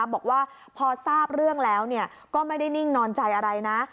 บอกว่าพอทราบเรื่องแล้วก็ไม่ได้นิ่งนอนใจอะไรนะ